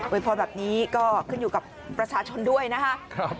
พรแบบนี้ก็ขึ้นอยู่กับประชาชนด้วยนะครับ